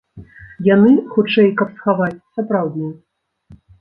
Яны, хутчэй, каб схаваць сапраўдныя.